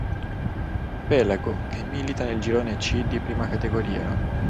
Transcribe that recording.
Pelago" che milita nel girone C di Prima Categoria.